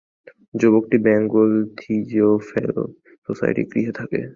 যুবকটি বেঙ্গল থিওজফিক্যাল সোসাইটির গৃহে থাকে।